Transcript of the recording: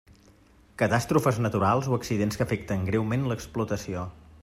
Catàstrofes naturals o accidents que afecten greument l'explotació.